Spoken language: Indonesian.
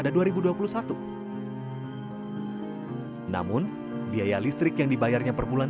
apalagi dia harus membayar biaya listrik sekitar satu ratus sembilan puluh rupiah per bulan